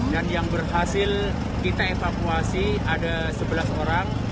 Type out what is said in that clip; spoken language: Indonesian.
dan yang berhasil kita evakuasi ada sebelas orang